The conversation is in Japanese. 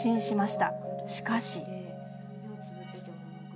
しかし。